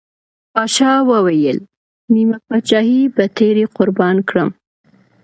پاچا وويل: نيمه پاچاهي به ترې قربان کړم.